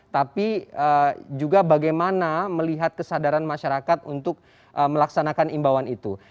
tapi juga bagaimana melihat kesadaran masyarakat untuk melaksanakan imbauan itu